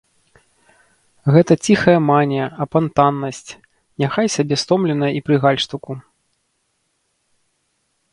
Гэта ціхая манія, апантанасць, няхай сабе стомленая і пры гальштуку.